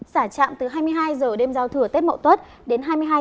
xả trạm từ hai mươi hai h đêm giao thừa tết mậu tuất đến hai mươi hai h ngày hai thu phí trở lại